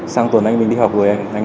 sáng tuần anh mình đi học rồi anh ạ